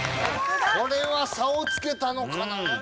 これは差をつけたのかな？